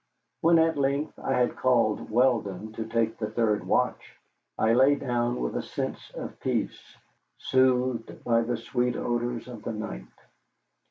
When at length I had called Weldon to take the third watch, I lay down with a sense of peace, soothed by the sweet odors of the night.